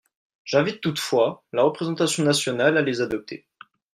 J’invite toutefois la représentation nationale à les adopter.